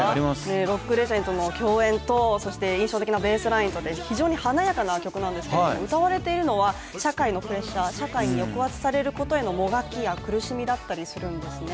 ロックレジェンドの共演と、印象的なベースラインとで非常に華やかな曲なんですけれども歌われているのは、社会のプレッシャー、社会に抑圧されることへのもがきや苦しみだったりするんですね。